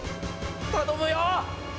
頼むよ！